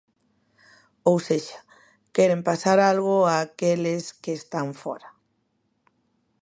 Ou sexa, queren pasar algo a aqueles que están fóra.